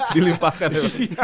dilimpa kan ya bang